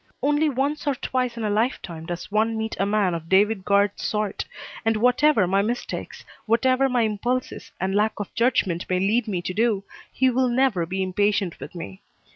Only once or twice in a lifetime does one meet a man of David Guard's sort, and whatever my mistakes, whatever my impulses and lack of judgment may lead me to do, he will never be impatient with me.